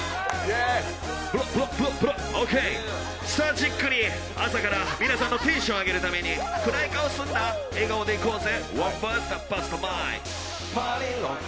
じっくり朝から皆さんのテンション上げるために暗い顔すんな、笑顔でいこうぜ。